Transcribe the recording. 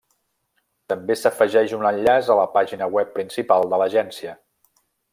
També s'afegeix un enllaç a la pàgina web principal de l'Agència.